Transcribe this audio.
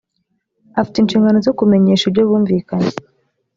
afite inshingano zo kumenyesha ibyo bumvikanye